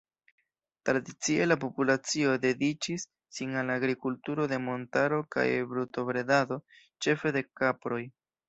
Tradicie la populacio dediĉis sin al agrikulturo de montaro kaj brutobredado, ĉefe de kaproj.